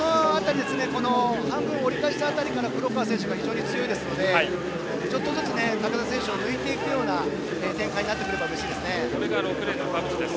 半分、折り返し辺りから黒川選手が非常に強いですのでちょっとずつ、竹田選手を抜いていくような展開になっていくとうれしいですね。